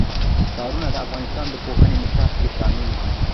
ښارونه د افغانستان د پوهنې نصاب کې شامل دي.